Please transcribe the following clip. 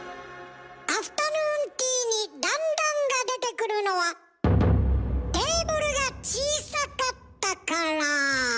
アフタヌーンティーに段々が出てくるのはテーブルが小さかったから。